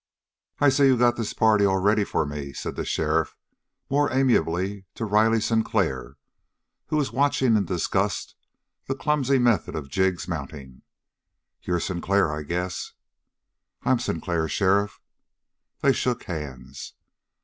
"I see you got this party all ready for me," said the sheriff more amiably to Riley Sinclair, who was watching in disgust the clumsy method of Jig's mounting. "You're Sinclair, I guess?" "I'm Sinclair, sheriff." They shook hands.